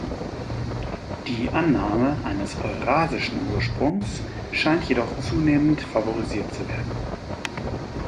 Die Annahme eines eurasischen Ursprungs scheint jedoch zunehmend favorisiert zu werden.